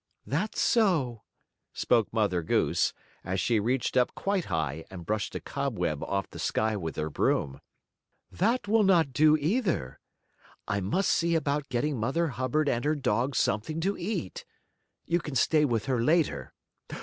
"That's so," spoke Mother Goose, as she reached up quite high and brushed a cobweb off the sky with her broom. "That will not do, either. I must see about getting Mother Hubbard and her dog something to eat. You can stay with her later.